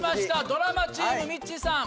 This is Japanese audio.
ドラマチームミッチーさん。